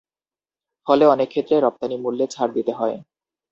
ফলে অনেক ক্ষেত্রে রপ্তানি মূল্যে ছাড় দিতে হয়।